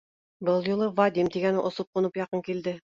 Был юлы Вадим тигәне осоп-ҡунып яҡын килде: